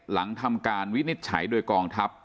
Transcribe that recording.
หลังทำการวินิจฉัยโดยกองทัพ